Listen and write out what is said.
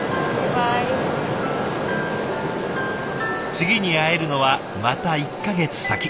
次に会えるのはまた１か月先。